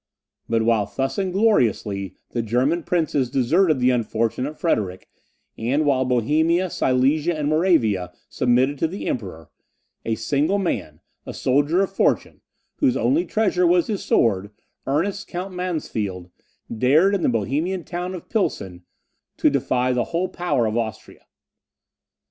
But while thus ingloriously the German princes deserted the unfortunate Frederick, and while Bohemia, Silesia, and Moravia submitted to the Emperor, a single man, a soldier of fortune, whose only treasure was his sword, Ernest Count Mansfeld, dared, in the Bohemian town of Pilsen, to defy the whole power of Austria.